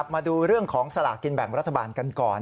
มาดูเรื่องของสลากกินแบ่งรัฐบาลกันก่อน